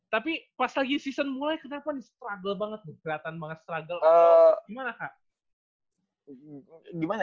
tapi pas lagi season mulai kenapa nih struggle banget keliatan banget struggle gimana kak